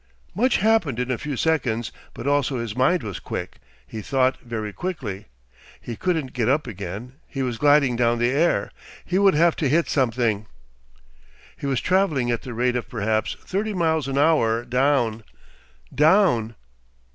Much happened in a few seconds, but also his mind was quick, he thought very quickly. He couldn't get up again, he was gliding down the air; he would have to hit something. He was travelling at the rate of perhaps thirty miles an hour down, down.